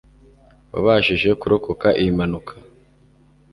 wabashije kurokoka iyi mpanuka